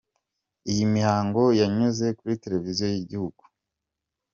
Iyo mihango yanyuze kuri televiziyo y'igihugu.